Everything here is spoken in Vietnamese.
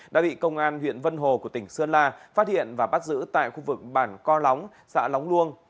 đã bị công an huyện vân hồ của tỉnh sơn la phát hiện và bắt giữ tại khu vực bản co lóng xã lóng luông